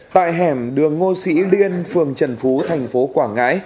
tại hẻm đường ngô sĩ liên phường trần phú thành phố quảng ngãi